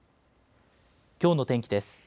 きょうの天気です。